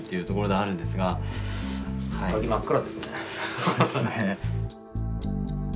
そうですね。